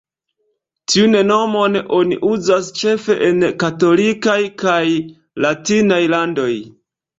Tiun nomon oni uzas ĉefe en katolikaj kaj latinaj landoj.